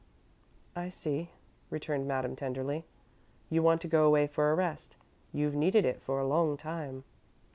"I see," returned Madame, tenderly. "You want to go away for a rest. You've needed it for a long time."